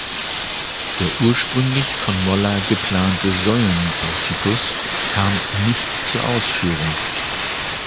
Der ursprünglich von Moller geplante Säulenportikus kam nicht zur Ausführung.